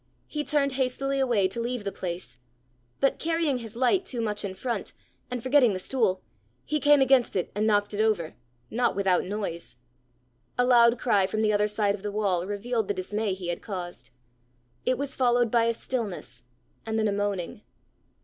He turned hastily away to leave the place. But carrying his light too much in front, and forgetting the stool, he came against it and knocked it over, not without noise. A loud cry from the other side of the wall revealed the dismay he had caused. It was followed by a stillness, and then a moaning.